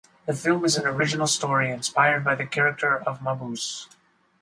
The film is an original story inspired by the character of Mabuse.